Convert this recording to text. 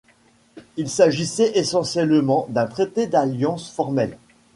Il s'agissait essentiellement d'un traité d'alliance formel.